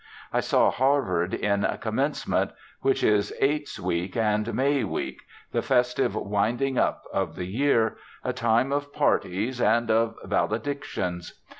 I saw Harvard in 'Commencement,' which is Eights Week and May Week, the festive winding up of the year, a time of parties and of valedictions.